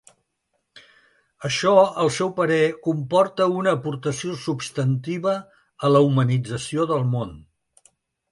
Això, al seu parer, comporta ‘una aportació substantiva a la humanització del món’.